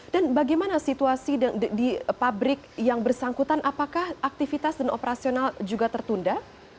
dan bagaimana situasi di pabrik yang bersangkutan apakah aktivitas dan operasional juga tertunda